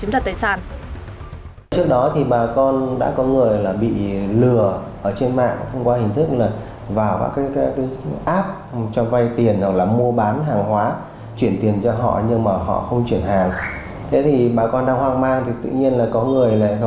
tại xã ninh vân huyện hoa lư